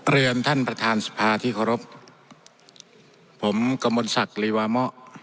เรียนท่านประธานสภาที่ขอรับผมกำบลศักดิ์ลีวาหม่อ